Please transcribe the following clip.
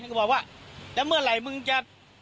ก็บอกว่าแล้วเมื่อไหร่มึงจะ